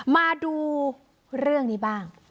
มาดูเรื่องนี้บ้าง